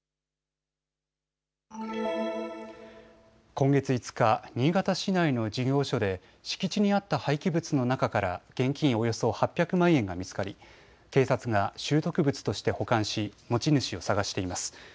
今月５日、新潟市内の事業所で敷地にあった廃棄物の中から現金およそ８００万円が見つかり警察が拾得物として保管し持ち主を捜しています。